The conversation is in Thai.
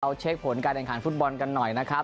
เช็คผลการแข่งขันฟุตบอลกันหน่อยนะครับ